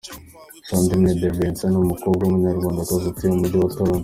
Sandrine De Vincent ni Umukobwa w’Umunyarwandakazi utuye mu Mujyi wa Toronto.